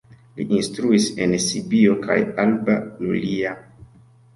Li instruis en Sibio kaj Alba Iulia.